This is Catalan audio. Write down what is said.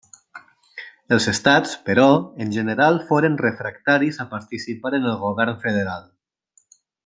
Els estats, però, en general foren refractaris a participar en el govern federal.